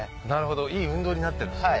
いい運動になってるんですね。